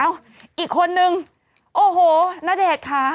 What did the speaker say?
อีกคนนึงโอ้โหณเดชน์ค่ะ